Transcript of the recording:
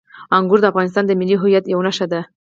انګور د افغانستان د ملي هویت یوه نښه ده.